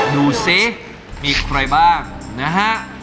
ดูซิมีใครบ้างเนี่ย